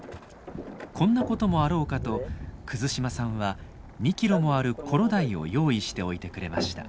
こんなこともあろうかと島さんは２キロもあるコロダイを用意しておいてくれました。